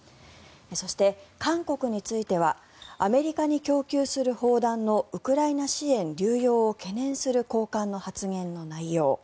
そして、韓国についてはアメリカに供給する砲弾のウクライナ支援流用を懸念する高官の発言の内容。